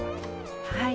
はい。